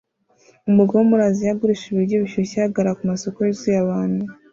Umugabo wo muri Aziya agurisha ibiryo bishyushye ahagarara kumasoko yuzuye abantu